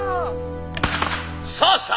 さあさあ